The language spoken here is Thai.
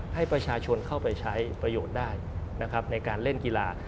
ให้ประชาชนเข้าไปใช้ประโยชน์ได้นะครับในการเล่นกีฬา